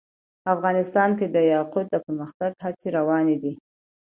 افغانستان کې د یاقوت د پرمختګ هڅې روانې دي.